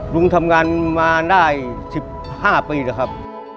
ลุงทำงานมาได้๑๕ปีแล้วครับ